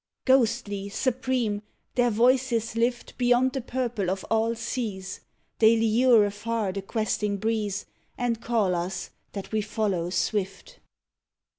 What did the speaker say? Ghostly, supreme, their voices lift Beyond the purple of all seas; They lure afar the questing breeze, And call us that we follow swift 134 " SAD SEA HORIZONS."